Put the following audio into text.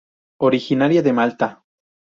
Originaria de Malta.